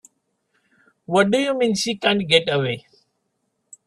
What do you mean she can't get away?